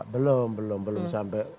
belum belum belum